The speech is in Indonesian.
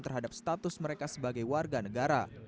terhadap status mereka sebagai warga negara